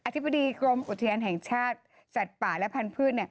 ธิบดีกรมอุทยานแห่งชาติสัตว์ป่าและพันธุ์